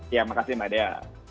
ya makasih mbak dya